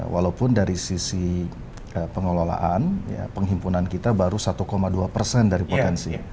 walaupun dari sisi pengelolaan penghimpunan kita baru satu dua persen dari potensi